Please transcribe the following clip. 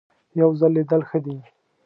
یو ځل لیدل ښه دي .